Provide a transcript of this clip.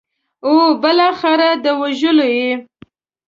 او بالاخره د وژلو یې.